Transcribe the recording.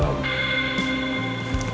ini aku masuk sana